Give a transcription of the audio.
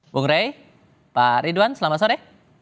bung rey pak ridwan selamat sore